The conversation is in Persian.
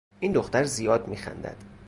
این دختر زیاد می خندد